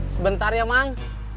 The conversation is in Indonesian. sebentar ya mang